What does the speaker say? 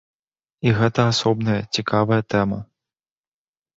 І гэта асобная цікавая тэма.